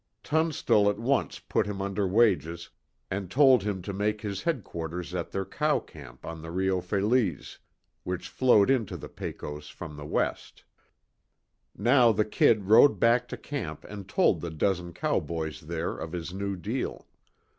Tunstall at once put him under wages and told him to make his headquarters at their cow camp on the Rio Feliz, which flowed into the Pecos from the west. Now the "Kid" rode back to camp and told the dozen cowboys there of his new deal.